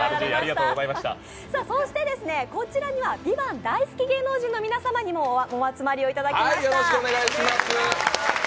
そしてこちらには「ＶＩＶＡＮＴ」大好き芸人さんにもお集まりいただきました。